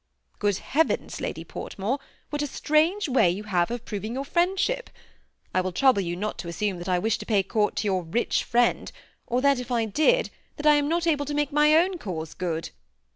^' Good heavens, Lady Portmore, what a strange way you have of proving your friendship! I will trouble you not to assume that I wish to pay court to your rich friend, or that, if I did, that I am not able to make my own cause good.